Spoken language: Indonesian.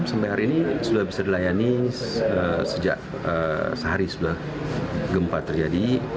sampai hari ini sudah bisa dilayani sejak sehari sudah gempa terjadi